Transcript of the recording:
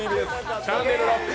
「チャンネル★ロック！」